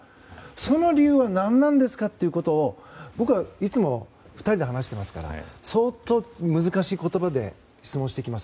その理由は何なんですかということを僕はいつも２人で話してますから相当難しい言葉で質問してきます。